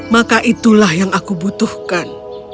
maka itulah yang aku butuhkan